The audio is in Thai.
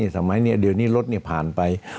สมัยนี้เดี๋ยวนี้รถผ่านไป